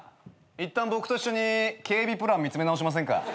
いったん僕と一緒に警備プラン見つめ直しませんか？